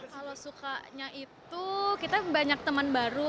kalau sukanya itu kita banyak teman baru